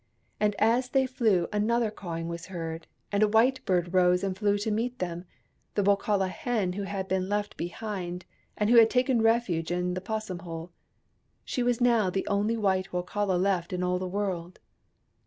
And as they flew another cawing was heard, and a white bird rose and flew to meet them — the Wokala hen who had been left behind, and who had taken refuge in the 'possum hole. She was now the only white Wokala left in all the world.